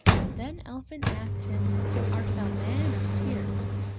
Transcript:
Then Elphin asked him, "Art thou man or spirit?"